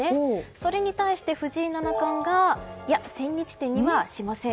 それに対して、藤井七冠がいや、千日手にはしません。